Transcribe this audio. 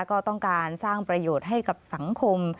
ก็ต้องการสร้างประโยชน์ให้กับสังคม